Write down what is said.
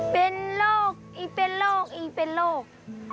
เป็นโรคอีเป็นโรคอีเป็นโรค